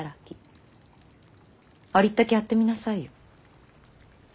ありったけやってみなさいよ。